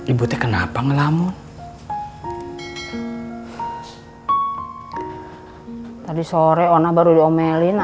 ikuti tuh m